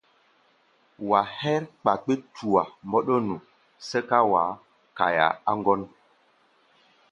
Wa hɛ́r kpakpé-tua mbɔ́ɗɔ́nu, sɛ́ká wa kaia á ŋgɔ́n.